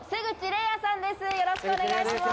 よろしくお願いします。